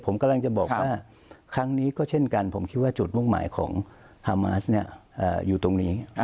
ผมกำลังจะบอกว่าครั้งนี้ก็เช่นกันผมคิดว่าจุดมุ่งหมายของฮามาสอยู่ตรงนี้